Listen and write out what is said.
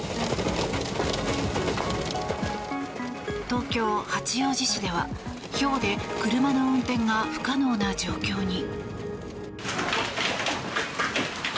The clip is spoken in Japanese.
東京・八王子市では、ひょうで車の運転が不可能な状況に。